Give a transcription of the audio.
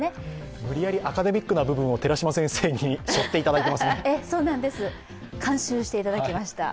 無理やりアカデミックな部分を寺島先生に背負っていただきましたね。